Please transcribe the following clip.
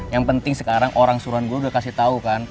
yang penting sekarang orang suruhan guru udah kasih tau kan